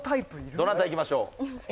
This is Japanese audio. どなたいきましょう？